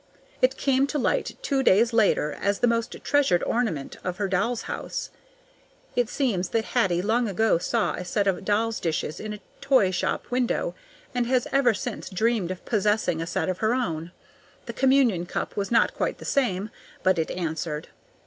It came to light two days later as the most treasured ornament of her doll's house. It seems that Hattie long ago saw a set of doll's dishes in a toy shop window, and has ever since dreamed of possessing a set of her own. The communion cup was not quite the same, but it answered.